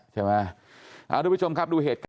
ใช่ไหมดูวิชมครับดูเหตุ